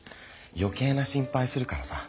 よけいな心配するからさ。